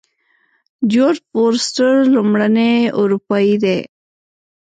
جورج فورسټر لومړنی اروپایی دی.